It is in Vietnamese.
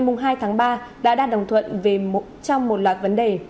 ngày hai tháng ba đã đạt đồng thuận trong một loạt vấn đề